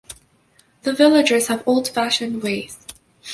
The villagers have old-fashioned ways.